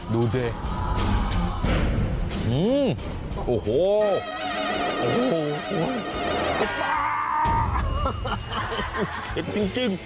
ดูดิ